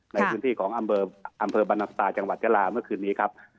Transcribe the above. ในพื้นที่ของอำเภอบรรนัพตาจังหวัดยาลาเมื่อคืนนี้ครับ